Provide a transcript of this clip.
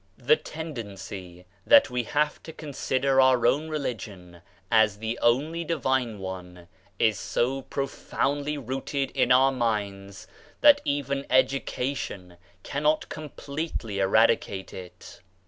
The tendency that we have to consider our own religion as the only divine one is so profoundly rooted in our minds that even education cannot completely eradicate it.